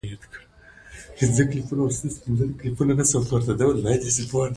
علم د وطن د ودي عامل دی.